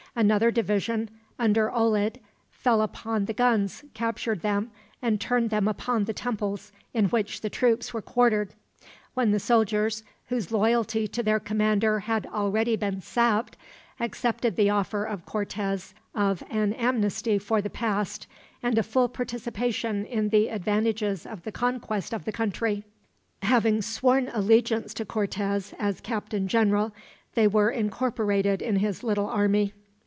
Another division, under Olid, fell upon the guns, captured them, and turned them upon the temples in which the troops were quartered; when the soldiers, whose loyalty to their commander had already been sapped, accepted the offer of Cortez of an amnesty for the past, and a full participation in the advantages of the conquest of the country. Having sworn allegiance to Cortez as captain general, they were incorporated in his little army.